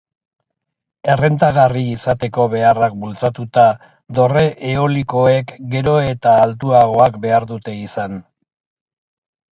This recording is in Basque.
Errentagarri izateko beharrak bultzatuta, dorre eolikoek gero eta altuagoak behar dute izan.